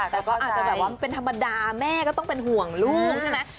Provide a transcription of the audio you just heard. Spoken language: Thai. แต่ก็อาจจะแบบว่ามันเป็นธรรมดาแม่ก็ต้องเป็นห่วงลูกใช่ไหม